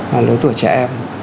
lối tuổi trẻ em